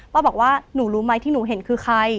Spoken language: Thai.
บอกว่าหนูรู้ไหมที่หนูเห็นคือใคร